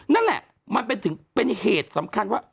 นั่นแหละมันเป็นถึงเป็นเหตุสำคัญว่า